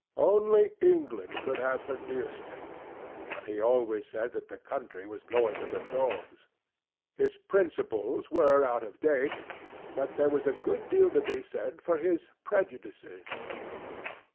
Only England could have produced him, and he always said that the country was going to the dogs. His principles were out of date, but there was a good deal to be said for his prejudices.